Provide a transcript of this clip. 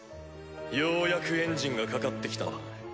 ようやくエンジンがかかってきたな。